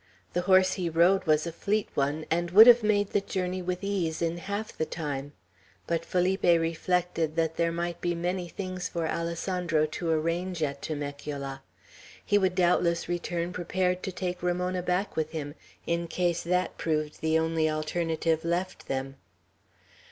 The horse he rode was a fleet one, and would have made the journey with ease in half the time. But Felipe reflected that there might be many things for Alessandro to arrange at Temecula. He would doubtless return prepared to take Ramona back with him, in case that proved the only alternative left them.